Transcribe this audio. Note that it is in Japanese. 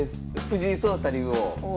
藤井聡太竜王。